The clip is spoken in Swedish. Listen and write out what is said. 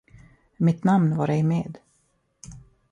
Mitt namn var ej med.